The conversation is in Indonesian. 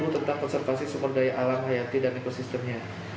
tentang konservasi sumber daya alam hayati dan ekosistemnya